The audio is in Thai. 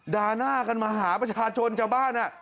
ด่าหน้ากันมาหาประชาชนชาวบ้าน